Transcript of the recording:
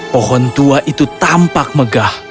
pohon tua itu tampak megah